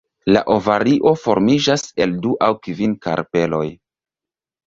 La ovario formiĝas el du aŭ kvin karpeloj.